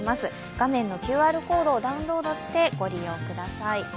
画面のＱＲコードをダウンロードしてご利用ください。